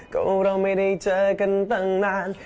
ก็เราไม่ได้เจอกันตั้งนาน